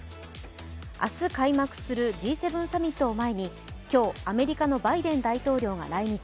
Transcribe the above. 明日開幕するＧ７サミットを前に今日、アメリカのバイデン大統領が来日。